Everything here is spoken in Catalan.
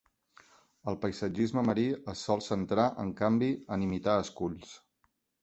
El paisatgisme marí es sol centrar, en canvi, en imitar esculls.